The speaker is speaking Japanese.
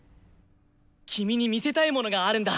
君に見せたいものがあるんだ！